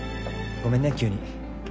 ごめんね急に。